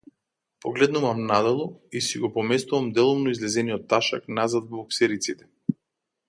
Погледнувам надолу, и си го поместувам делумно излезениот ташак назад во боксериците.